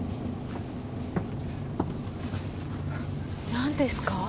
何ですか？